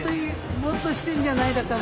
「ボーっとしてんじゃない」だか。